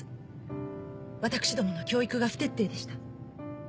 私どもの教育が不徹底でした。